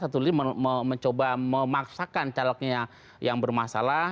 satu li mencoba memaksakan calegnya yang bermasalah